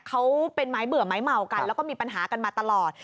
เขาเป็นไม้เบื่อไม้เมากันแล้วก็มีปัญหากันมาตลอด